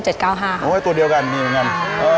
ดรอบไข้๒เดียวกันมีเหมือนกัน